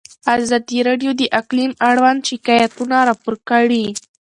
ازادي راډیو د اقلیم اړوند شکایتونه راپور کړي.